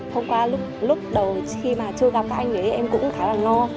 hôm qua lúc đầu khi mà chưa gặp các anh ấy em cũng khá là lo